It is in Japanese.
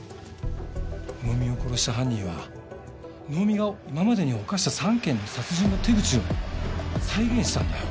能見を殺した犯人は能見が今までに犯した３件の殺人の手口を再現したんだよ。